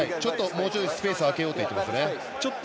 もうちょいスペース空けようと言ってますね。